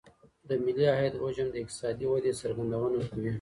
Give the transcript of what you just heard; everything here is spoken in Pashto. د ملي عايد حجم د اقتصادي ودي څرګندونه کوي.